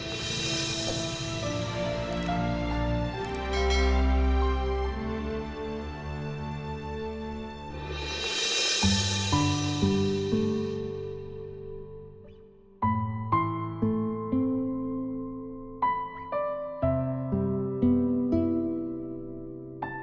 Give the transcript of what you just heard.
saya ingin mencari pekerjaan untuk kamu